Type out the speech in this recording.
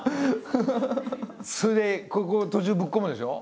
それでここ途中ぶっ込むでしょ？